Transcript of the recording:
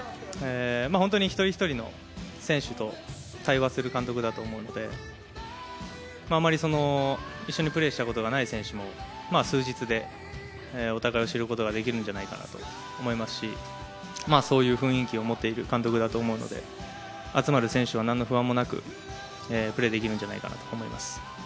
本当に一人一人の選手と対話する監督だと思うのであまり一緒にプレーしたことがない選手も数日でお互いを知ることができるんじゃないかと思いますしそういう雰囲気を持っている監督だと思うので集まる選手は何の不安もなくプレーできるんじゃないかなと思います。